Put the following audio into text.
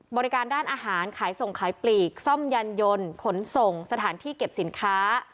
บริการด้านอาหารขายส่งขายปลีกซ่อมยันยนต์ขนส่งสถานที่เก็บสินค้า